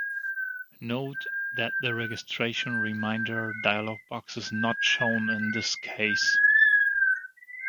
Note that the registration reminder dialogue box is not shown in this case.